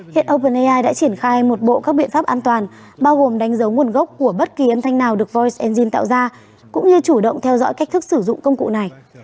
hiện openai đã triển khai một bộ các biện pháp an toàn bao gồm đánh dấu nguồn gốc của bất kỳ âm thanh nào được voice engine tạo ra cũng như chủ động theo dõi cách thức sử dụng công cụ này